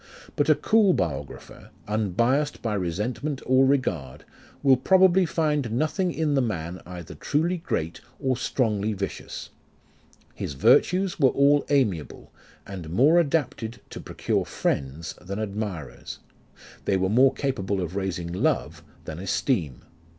But a cool biographer, unbiassed by resentment or regard, will probably find nothing in the man either truly great, or strongly vicious. His virtues were all amiable, and more adapted to procure friends than admirers ; they were more capable of raising love than esteem.